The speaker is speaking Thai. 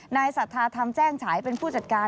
ศรัทธาธรรมแจ้งฉายเป็นผู้จัดการ